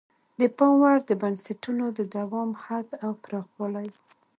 د پام وړ د بنسټونو د دوام حد او پراخوالی وو.